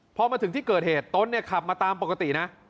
พอมาถึงที่เกิดเหตุตนเนี่ยขับมาตามปกตินะ